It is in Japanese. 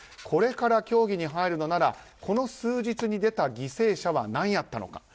これから協議に入るのならこの数日に出た犠牲者はなんやったのか。